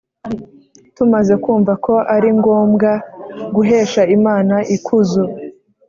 Tumaze kumva ko ari ngombwa guhesha Imana ikuzo